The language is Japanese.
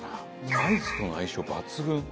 アイスとの相性抜群。